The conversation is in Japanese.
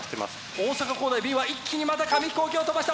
大阪公大Ｂは一気にまた紙ヒコーキを飛ばした！